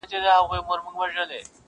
o پلار او مور خپلوان یې ټوله په غصه وي,